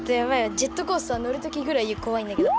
ジェットコースターのるときぐらいこわいんだけど。